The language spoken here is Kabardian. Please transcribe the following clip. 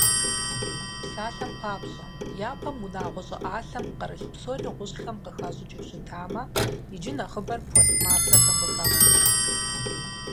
Псалъэм папщӀэ, япэм унагъуэ щӀыӀалъэм пкърылъ псори гъущӀхэм къыхащӀыкӀыу щытамэ, иджы нэхъыбэр пластмассэхэм къыхащӀыкӀ.